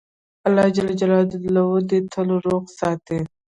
الله ج دي تل روغ ساتی